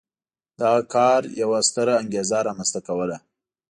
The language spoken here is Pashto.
دغه کار یوه ستره انګېزه رامنځته کوله.